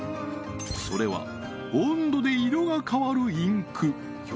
それは温度で色が変わるインク